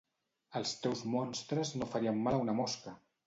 Els teus monstres no farien mal a una mosca!